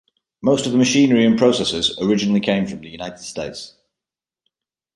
Most of the machinery and processes originally came from the United States.